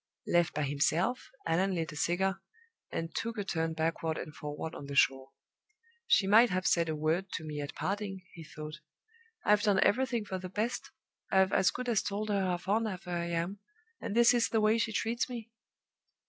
Left by himself, Allan lit a cigar, and took a turn backward and forward on the shore. "She might have said a word to me at parting!" he thought. "I've done everything for the best; I've as good as told her how fond of her I am, and this is the way she treats me!"